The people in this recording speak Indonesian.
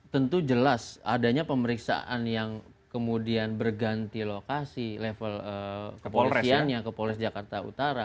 tentu jelas adanya pemeriksaan yang kemudian berganti lokasi level kepolisiannya ke polres jakarta utara